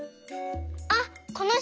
あっこの人！